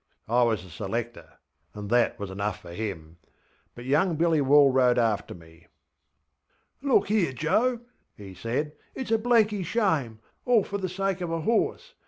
I was a selector, and that was enough for him. But young Billy Wall rode after me. ŌĆśLook here, Joe! ŌĆÖ he said, ŌĆśitŌĆÖs a blanky shame. All for the sake of a horse!